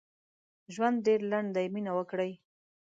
ژوند ډېر لنډ دي مينه وکړئ